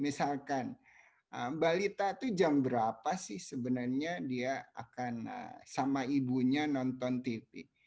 misalkan mbak lita itu jam berapa sih sebenarnya dia akan sama ibunya nonton tv